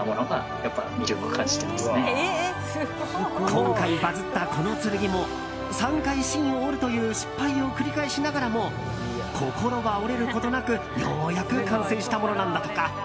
今回バズった、この剣も３回芯を折るという失敗を繰り返しながらも心は折れることなくようやく完成したものなんだとか。